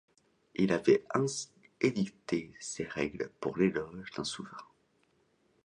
Il avait ainsi édicté des règles pour l’éloge d’un souverain.